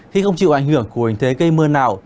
khi không chịu ảnh hưởng của hình thế gây mưa nào